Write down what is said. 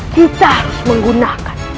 kita harus menggunakan